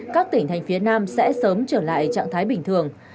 các tỉnh thành phía nam sẽ sớm trở lại trạng thái bình thường